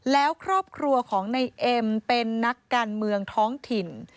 แล้วครอบครัวของในเอ็มเป็นนักการเมืองท้องถิ่น